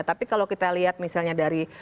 tapi kalau kita lihat misalnya dari